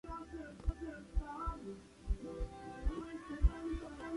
Fue esto precisamente lo que alegó Raniero.